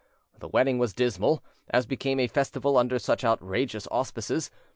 The wedding was dismal, as became a festival under such outrageous auspices.